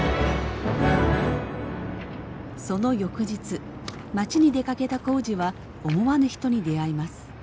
その翌日町に出かけた耕治は思わぬ人に出会います。